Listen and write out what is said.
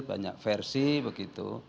banyak versi begitu